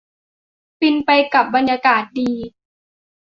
ฟินไปกับบรรยากาศดี